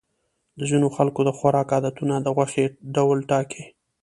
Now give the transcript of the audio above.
د ځینو خلکو د خوراک عادتونه د غوښې ډول ټاکي.